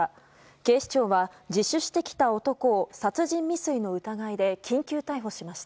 警視庁は自首してきた男を殺人未遂の疑いで緊急逮捕しました。